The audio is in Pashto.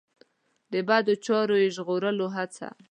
د بدو چارو یې ژغورلو هڅه.